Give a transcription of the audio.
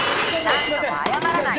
☎何度も謝らない！